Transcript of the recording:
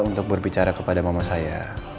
untuk berbicara kepada mama saya